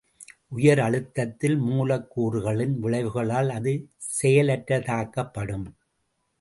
உயர் அழுத்தத்தில் மூலக் கூறுகளின் விளைவுகளால் அது செயலற்றதாக்கப்படும்.